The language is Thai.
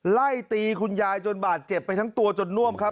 ไล่ตีคุณยายจนบาดเจ็บไปทั้งตัวจนน่วมครับ